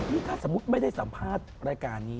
นี่ถ้าสมมุติไม่ได้สัมภาษณ์รายการนี้